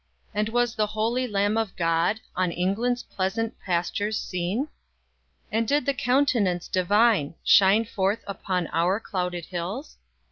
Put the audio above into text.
And was the holy Lamb of God On England's pleasant pastures seen? And did the Countenance Divine Shine forth upon our clouded hills?